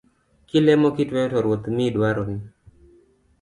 Kilemo kitweyo to Ruoth miyi dwaroni